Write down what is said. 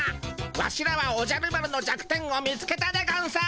ワシらはおじゃる丸の弱点を見つけたでゴンス。